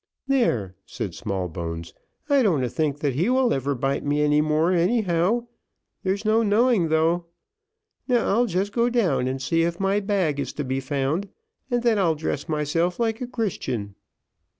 "There," said Smallbones, "I don't a think that he will ever bite me any more, anyhow; there's no knowing though. Now I'll just go down and see if my bag be to be found, and then I'll dress myself like a Christian."